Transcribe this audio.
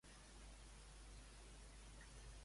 Quina va ser la predicció de la pítia?